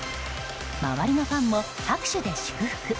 周りのファンも拍手で祝福。